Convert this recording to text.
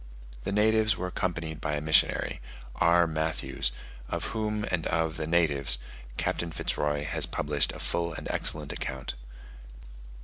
The natives were accompanied by a missionary, R. Matthews; of whom and of the natives, Captain Fitz Roy has published a full and excellent account.